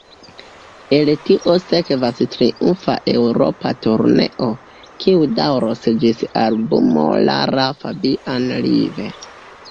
El tio sekvas triumfa Eŭropa turneo, kiu daŭros ĝis albumo Lara Fabian Live.